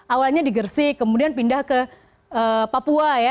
awalnya digersih kemudian pindah ke papua ya